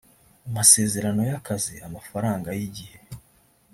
amasezerano y’akazi amafaranga y’igihe